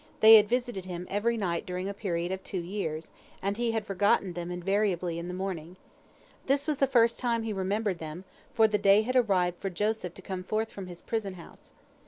They had visited him every night during a period of two years, and he had forgotten them invariably in the morning. This was the first time he remembered them, for the day had arrived for Joseph to come forth from his prison house.